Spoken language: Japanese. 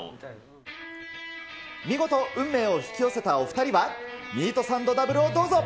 見事、運命を引き寄せたお２人はミート・サンド・ダブルをどうぞ。